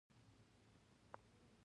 په را وروسته پېړیو کې یې مرسته ونه کړه.